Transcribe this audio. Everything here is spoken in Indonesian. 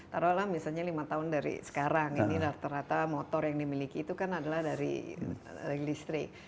taruhlah misalnya lima tahun dari sekarang ini rata rata motor yang dimiliki itu kan adalah dari listrik